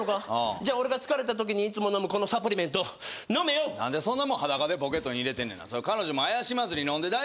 じゃあ俺が疲れたときにいつも飲むこのサプリメント飲めよなんでそんなもん裸でポケットに入れてんねんな彼女も怪しまずに飲んで大丈夫なやつ？